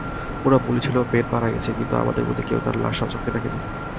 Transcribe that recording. ওরা বলেছিল বেন মারা গেছে, কিন্তু আমাদের মধ্যে কেউ তার লাশ স্বচক্ষে দেখেনি।